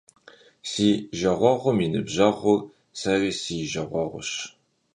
Си жагъуэгъум и ныбжьэгъур сэри си жагъуэгъущ.